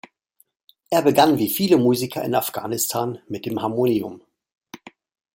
Er begann wie viele Musiker in Afghanistan mit dem Harmonium.